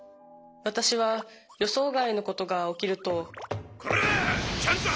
私は予想外のことが起きるとコラ！